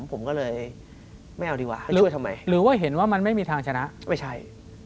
ผมก็เลยไม่เอาดีกว่าไปช่วยทำไมหรือว่าเห็นว่ามันไม่มีทางชนะไม่ใช่